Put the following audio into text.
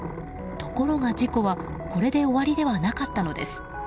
ところが、事故はこれで終わりではなかったのです。